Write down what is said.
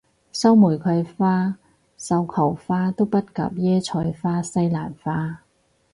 收玫瑰花繡球花都不及椰菜花西蘭花